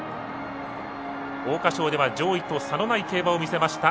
桜花賞では上位と差のない結果を見せました。